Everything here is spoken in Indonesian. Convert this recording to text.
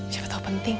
siapa tau penting